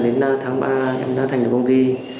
nên là đến tháng ba em thành lập công ty